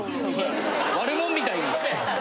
悪もんみたいに。